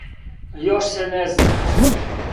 Још се не зна.